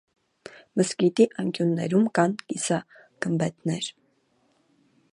Մզկիթի անկյուններում կան կիսագմբեթներ։